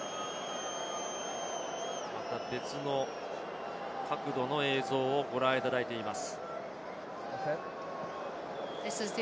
別の角度の映像をご覧いただいています。